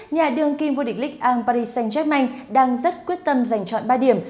nhà đường kim vua địch lịch an paris saint germain đang rất quyết tâm giành chọn ba điểm